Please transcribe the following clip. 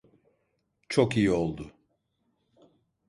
Çok iyi oldu.